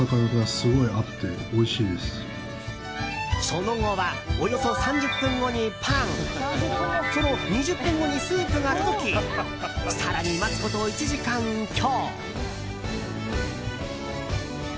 その後はおよそ３０分後にパンその２０分後にスープが届き更に、待つこと１時間強。